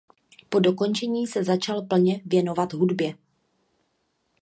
Po dokončení se začal plně věnovat hudbě.